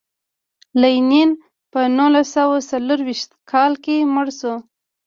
لینین په نولس سوه څلور ویشت کال کې مړ شو.